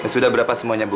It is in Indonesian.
sudah berapa semuanya bu